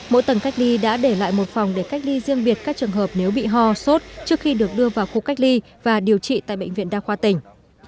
mỗi tầng cách ly đã để lại một phòng để cách ly riêng biệt các trường hợp nếu bị ho sốt trước khi được đưa vào khu cách ly và điều trị tại bệnh viện đa khoa tỉnh